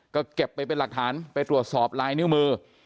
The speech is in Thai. ก็เก็บไปเป็นหลักฐานไปตรวจสอบลายนิ้วมือ